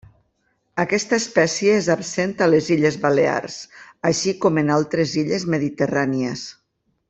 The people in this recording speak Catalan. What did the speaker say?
Aquesta espècie és absent a les Illes Balears, així com en altres illes mediterrànies.